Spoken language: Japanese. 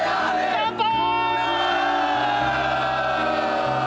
乾杯！